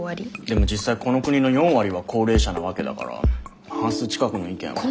でも実際この国の４割は高齢者なわけだから半数近くの意見は。